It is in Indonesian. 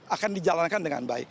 akan dijalankan dengan baik